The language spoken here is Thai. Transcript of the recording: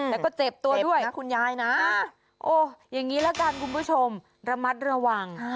แล้วก็เจ็บตัวด้วยนะคุณยายนะโอ้อย่างนี้ละกันคุณผู้ชมระมัดระวัง